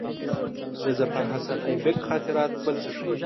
د ظفرحسن آیبک خاطرات بل څه ښيي.